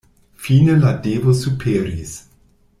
Fine la devo superis.